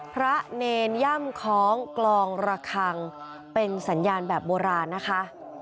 พระเนรย่ำคล้องกลองระคังเป็นสัญญาณแบบโบราณนะคะ